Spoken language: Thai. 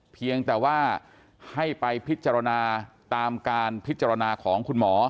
เพียงแต่ว่าให้ไปพิจารณาตามการพิจารณาของคุณหมอ